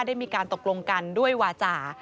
ได้มีการตกลงกันด้วยวาจา